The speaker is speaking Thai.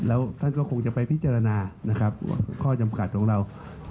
แล้วท่านก็คงจะไปพิจารณานะครับข้อจำกัดของเรา